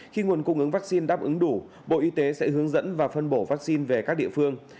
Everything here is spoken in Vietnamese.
khi nguồn cung ứng vaccine đáp ứng đủ bộ y tế sẽ hướng dẫn và phân bổ vaccine về các địa phương